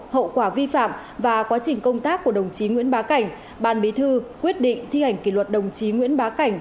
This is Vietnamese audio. hậu quả vi phạm và quá trình công tác của đồng chí nguyễn bá cảnh ban bí thư quyết định thi hành kỷ luật đồng chí nguyễn bá cảnh